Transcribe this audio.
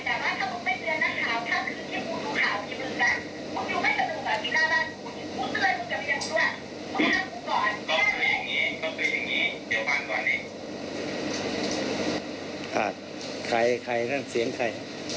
อ่ะใครใครท่านเสียงใคร